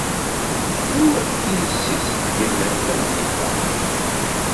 Anwa ara d-yessizedgen tameddit-a?